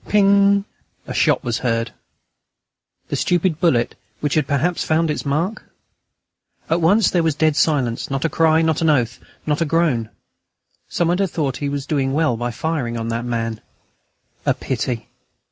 Ping! A shot was heard.... The stupid bullet which had perhaps found its mark? At once there was dead silence, not a cry, not an oath, not a groan. Some one had thought he was doing well by firing on that man. A pity!